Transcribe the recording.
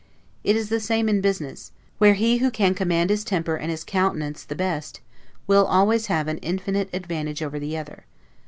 It is the same in business; where he who can command his temper and his countenance the best, will always have an infinite advantage over the other.